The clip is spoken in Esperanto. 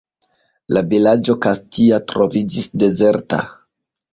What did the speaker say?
La vilaĝo Kastia troviĝis dezerta.